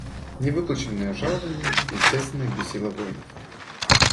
Невыплаченное жалование естественно бесило воинов.